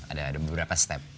ada beberapa step